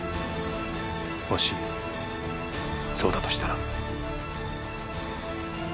もしそうだとしたら。